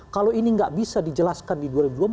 kalau ini nggak bisa dijelaskan di dua ribu dua puluh empat